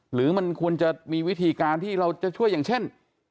หรือมันควรจะมีวิธีการที่เราจะช่วยอย่างเช่น